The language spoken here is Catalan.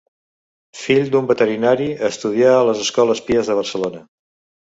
Fill d'un veterinari, estudià a les Escoles Pies de Barcelona.